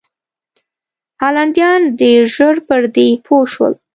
هالنډیان ډېر ژر پر دې پوه شول.